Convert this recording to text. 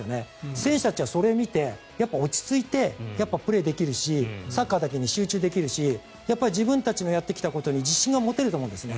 選手たちはそれを見てやっぱり落ち着いてプレーできるしサッカーだけに集中できるし自分たちのやってきたことに自信が持てると思うんですね。